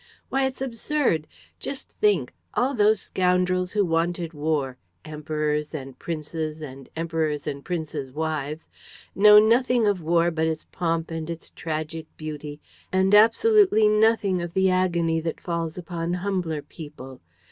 Why, it's absurd! Just think: all those scoundrels who wanted war emperors and princes and emperors' and princes' wives know nothing of war but its pomp and its tragic beauty and absolutely nothing of the agony that falls upon humbler people!